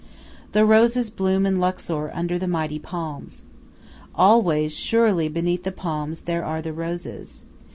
The roses bloom in Luxor under the mighty palms. Always surely beneath the palms there are the roses.